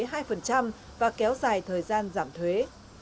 doanh nghiệp sẽ giảm thuế hai và kéo dài thời gian giảm thuế